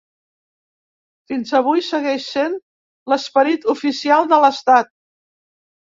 Fins avui, segueix sent l'"Esperit oficial de l'estat".